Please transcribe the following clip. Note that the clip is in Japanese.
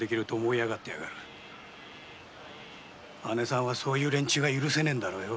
姐さんはそういう連中が許せねぇんだろうよ。